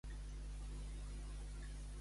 Entre la creu i el salpasser.